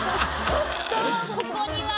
ちょっとここには。